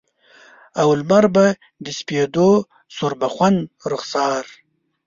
او لمر به د سپیدو سوربخن رخسار